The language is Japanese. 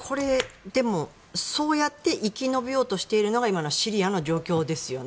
そうやって生き延びようとしているのが今のシリアの状況ですよね。